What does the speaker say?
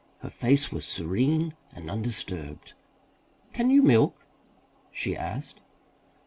Her face was serene and undisturbed. "Can you milk?" she asked.